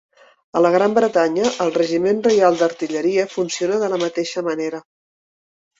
A la Gran Bretanya, el Regiment Reial d'Artilleria funciona de la mateixa manera.